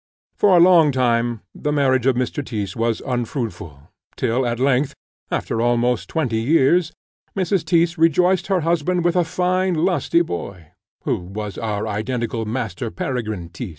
For a long time the marriage of Mr. Tyss was unfruitful, till at length, after almost twenty years, Mrs. Tyss rejoiced her husband with a fine lusty boy, who was our identical Master Peregrine Tyss.